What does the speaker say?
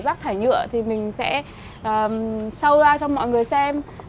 rác thải nhựa thì mình sẽ sâu ra cho mọi người xem